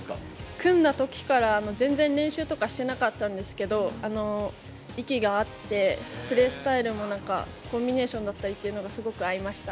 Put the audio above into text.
組んだときから全然練習とかしてなかったんですけど、息が合って、プレースタイルもなんか、コンビネーションだったりっていうのがすごく合いました。